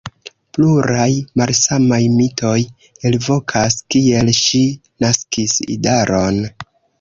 Pluraj malsamaj mitoj elvokas, kiel ŝi naskis idaron.